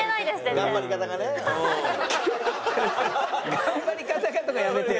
「頑張り方が」とかやめてよ。